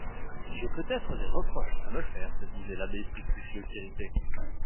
J'ai peut-être des reproches à me faire, se disait l'abbé plus soucieux qu'irrité.